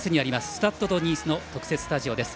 スタッド・ド・ニースの特設スタジオです。